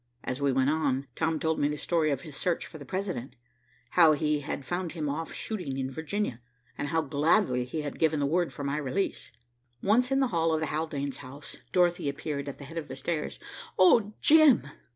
As we went on, Tom told me the story of his search for the President. How he had found him off shooting in Virginia and how gladly he had given the word for my release. Once in the hall of the Haldanes' house, Dorothy appeared at the head of the stairs. "Oh, Jim!"